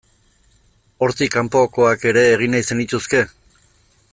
Hortik kanpokoak ere egin nahi zenituzke?